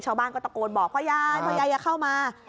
ชาวบ้านก็ตะโกนบอกพ่อยายพ่อยายอย่าเข้ามา